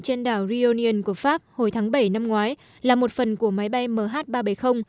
trên đảo ryonian của pháp hồi tháng bảy năm ngoái là một phần của máy bay mh ba trăm bảy mươi